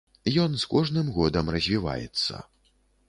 Ён з кожным годам развіваецца.